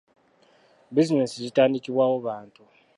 Bizinensi zitandikibwawo bantu.